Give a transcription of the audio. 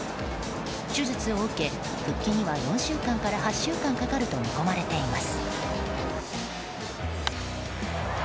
手術を受け復帰には４週間から８週間かかると見込まれています。